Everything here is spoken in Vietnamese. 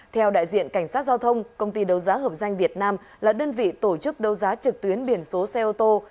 theo đại diện cảnh sát giao thông công ty đấu giá hợp danh việt nam là đơn vị tổ chức đấu giá trực tuyến biển số xe ô tô